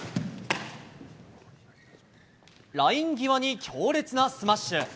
ライン際に強烈なスマッシュ。